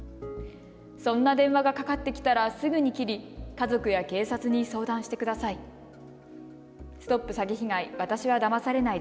そんな電話がかかってきたらすぐに切り、家族や警察に相談してください。